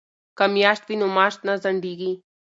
که میاشت وي نو معاش نه ځنډیږي.